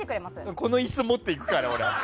この椅子持っていくから。